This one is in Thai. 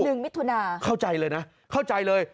หนึ่งมิถุนาเข้าใจเลยนะเข้าใจเลย